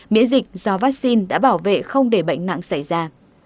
miễn dịch do vaccine đã bảo vệ không để bệnh nặng xảy ra